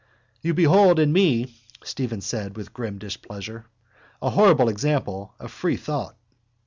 —You behold in me, Stephen said with grim displeasure, a horrible example of free thought.